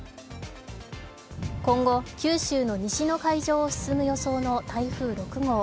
今後、九州の西の海上を進む予想の台風６号。